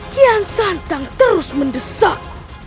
kian sandang terus mendesak